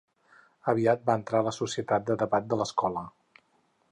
Aviat va entrar a la Societat de Debat de l'escola.